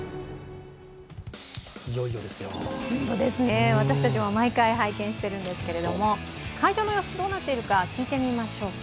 いよいよですよ。私たちも毎回拝見してるんですけれども会場の様子どうなっているか、聞いてみましょうか。